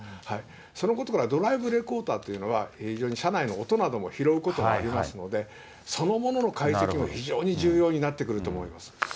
そのことから、ドライブレコーダーというのは、非常に車内の音なども拾うことがありますので、そのものの解析も非常に重要になってくると思います。